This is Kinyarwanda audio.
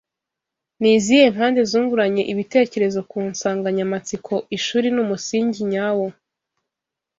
Ni izihe mpande zunguranye ibitekerezo ku nsanganyamatsiko Ishuri ni umusingi nyawo